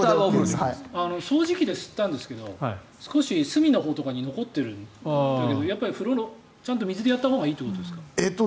掃除機で吸ったんですけど隅のほうとかに残ってるんですけどやっぱりちゃんと水でやったほうがいいということですか？